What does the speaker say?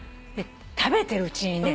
食べてるうちにね